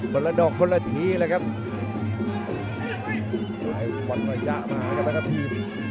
บรรละดอกบรรละทีเลยครับไว้วัดประยะมานะครับครับพี่